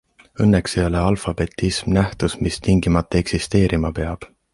Õnneks ei ole alfabetism nähtus, mis tingimata eksisteerima peab.